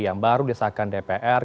yang baru disahkan dpr